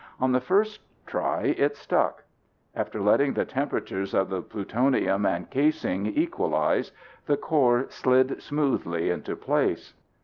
On the first try it stuck. After letting the temperatures of the plutonium and casing equalize the core slid smoothly into place.